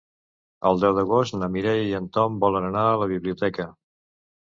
El deu d'agost na Mireia i en Tom volen anar a la biblioteca.